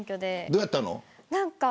どうやったの。